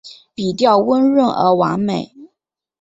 笔调温润而完美